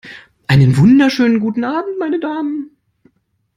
Einen wunderschönen guten Abend, meine Damen!